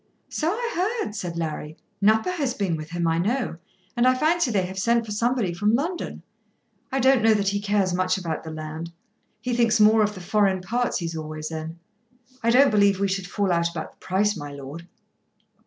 "So I heard," said Larry. "Nupper has been with him, I know, and I fancy they have sent for somebody from London. I don't know that he cares much about the land. He thinks more of the foreign parts he's always in. I don't believe we should fall out about the price, my lord."